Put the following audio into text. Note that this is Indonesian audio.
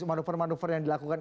manuver manuver yang dilakukan